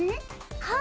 はい。